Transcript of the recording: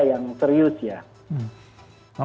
yang serius ya